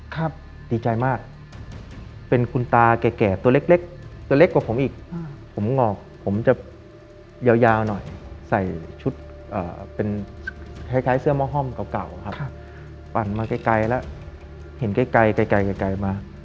ปั่นมาใกล้แล้วเห็นไกลมา